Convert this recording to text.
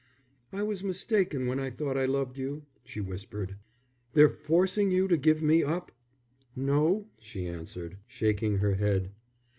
"I was mistaken when I thought I loved you," she whispered. "They're forcing you to give me up?" "No," she answered, shaking her head.